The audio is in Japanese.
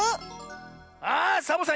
あサボさん